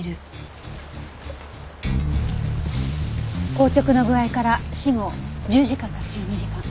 硬直の具合から死後１０時間から１２時間。